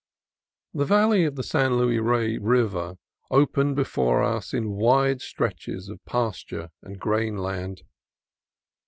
The valley of the San Luis River opened before us in wide stretches of pasture and grain land.